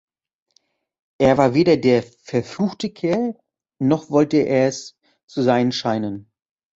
Er war weder der „verfluchte Kerl‘, noch wollte er es zu sein scheinen.